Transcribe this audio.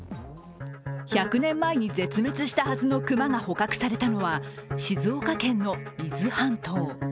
１００年前に絶滅したはずの熊が捕獲されたのは、静岡県の伊豆半島。